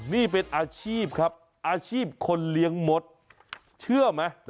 นี่เป็นอาชีพครับอาชีพคนเลี้ยงมดเชื่อไหม